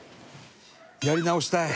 やり直したい。